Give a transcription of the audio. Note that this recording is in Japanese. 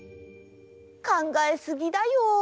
かんがえすぎだよ。